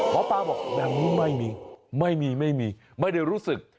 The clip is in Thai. หมอปลาบอกแบบนี้ไม่มีไม่มีไม่ได้รู้สึก